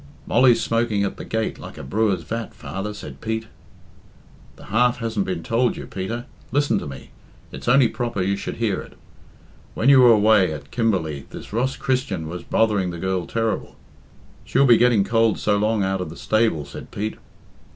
"Molly's smoking at the gate like a brewer's vat, father," said Pete. "The half hasn't been told you, Peter. Listen to me. It's only proper you should hear it. When you were away at Kim berley this Ross Christian was bothering the girl terrible." "She'll be getting cold so long out of the stable," said Pete.